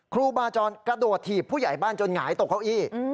ครูบาจรกระโดดถีบผู้ใหญ่บ้านจนหงายตกเก้าอี้